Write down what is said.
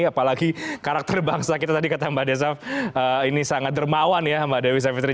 apalagi karakter bangsa kita tadi kata mbak desaf ini sangat dermawan ya mbak dewi savitri